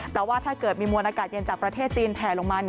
แต่ว่าถ้าเกิดมีมวลอากาศเย็นจากประเทศจีนแผลลงมา